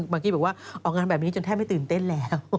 กี้บอกว่าออกงานแบบนี้จนแทบไม่ตื่นเต้นแล้ว